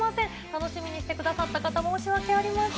楽しみにしてくださった方、申し訳ありません。